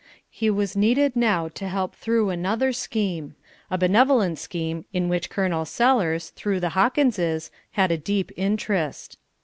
He was needed now to help through another scheme, a benevolent scheme in which Col. Sellers, through the Hawkinses, had a deep interest.